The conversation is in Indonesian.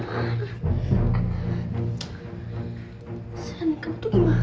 masa ini aku mau ke rumah